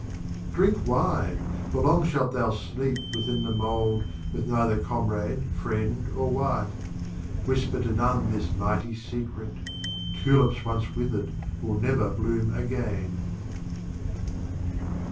LZIII. Drink Wine! for long shalt thou sleep within the Mold With neither Comrade, Friend, or Wife. Whisper to none this Mighty Se cret: "Tulips once withered will never bloom again."